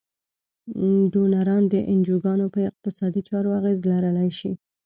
ډونران د انجوګانو په اقتصادي چارو اغیز لرلای شي.